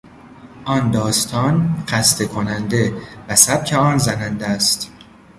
آن داستان خسته کننده و سبک آن زننده است.